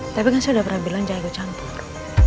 tapi kan sudah pernah bilang jangan gue campur